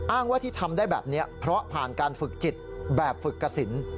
อ้างว่าที่ทำได้แบบนี้เพราะผ่านการฝึกจิตแบบฝึกกระสิน